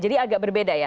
jadi agak berbeda ya